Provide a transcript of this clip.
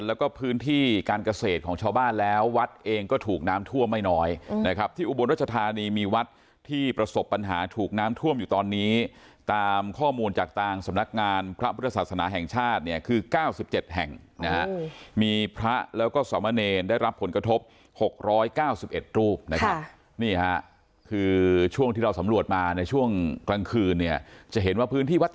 แล้วก็พื้นที่การเกษตรของชาวบ้านแล้ววัดเองก็ถูกน้ำท่วมไม่น้อยนะครับที่อุบลรัชธานีมีวัดที่ประสบปัญหาถูกน้ำท่วมอยู่ตอนนี้ตามข้อมูลจากทางสำนักงานพระพุทธศาสนาแห่งชาติเนี่ยคือ๙๗แห่งนะฮะมีพระแล้วก็สมเนรได้รับผลกระทบ๖๙๑รูปนะครับนี่ฮะคือช่วงที่เราสำรวจมาในช่วงกลางคืนเนี่ยจะเห็นว่าพื้นที่วัด